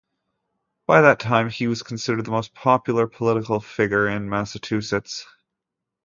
By that time, he was considered the most popular political figure in Massachusetts.